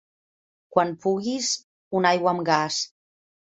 Quan puguis, una aigua amb gas.